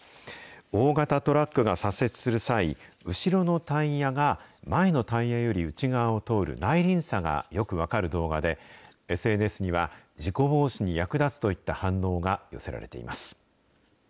大型トラックが左折する際、後ろのタイヤが前のタイヤより内側を通る内輪差がよく分かる動画で、ＳＮＳには、事故防止に役立つといった反応が寄せられています。